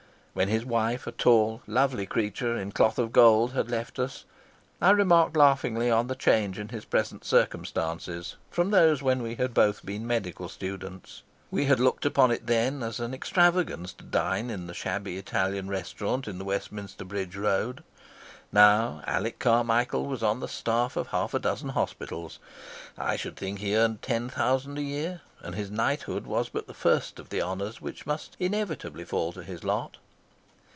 When his wife, a tall, lovely creature in cloth of gold, had left us, I remarked laughingly on the change in his present circumstances from those when we had both been medical students. We had looked upon it then as an extravagance to dine in a shabby Italian restaurant in the Westminster Bridge Road. Now Alec Carmichael was on the staff of half a dozen hospitals. I should think he earned ten thousand a year, and his knighthood was but the first of the honours which must inevitably fall to his lot.